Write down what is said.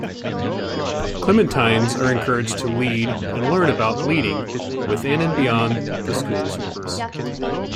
Clementines are encouraged to lead-and learn about leading-within and beyond the School's walls.